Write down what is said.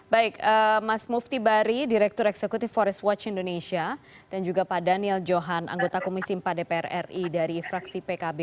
baik mas mufti bari direktur eksekutif forest watch indonesia dan juga pak daniel johan anggota komisi empat dpr ri dari fraksi pkb